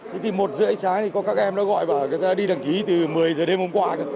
thế thì một rưỡi sáng thì có các em nó gọi bảo là người ta đi đăng ký từ một mươi giờ đêm hôm qua